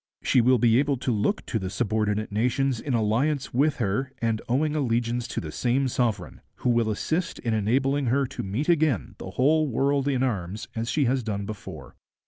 She will be able to look to the subordinate nations in alliance with her and owing allegiance to the same sovereign, who will assist in enabling her to meet again the whole world in arms as she has done before.'